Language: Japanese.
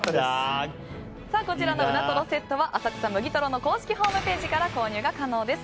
こちらのうなとろセットは浅草むぎとろの公式ホームページから購入可能です。